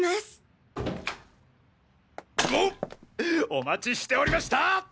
お待ちしておりました！